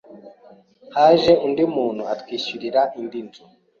Haje undi muntu atwishyurira indi nzu